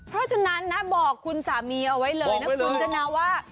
เพราะฉะนั้นนะบอกคุณสามีเอาไว้เลยนะคุณชนะว่า